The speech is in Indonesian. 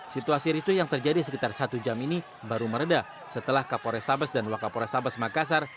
situasi ricu yang terjadi sekitar satu jam ini baru meredah setelah kapolres tabes dan wakapolres tabes makassar